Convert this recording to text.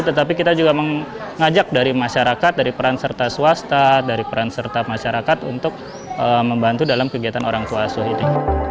tetapi kita juga mengajak dari masyarakat dari peran serta swasta dari peran serta masyarakat untuk membantu dalam kegiatan orang tua asuh ini